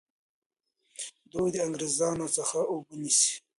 دوی د انګریزانو څخه اوبه نیسي.